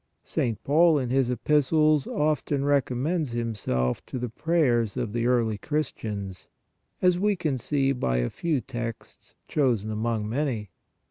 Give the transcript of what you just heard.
St. Paul in his epistles often recommends himself to the prayers of the early Christians, as we can see by a few texts chosen among many.